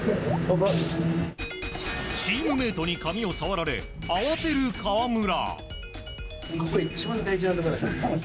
チームメイトに髪を触られ慌てる河村。